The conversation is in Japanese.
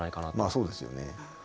まあそうですよね。